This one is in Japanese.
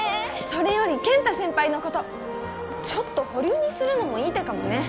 それより健太先輩のことちょっと保留にするのもいい手かもね